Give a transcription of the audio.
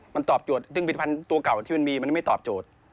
มันตอบโจทย์ซึ่งผลิตภัณฑ์ตัวเก่าที่มันมีมันไม่ตอบโจทย์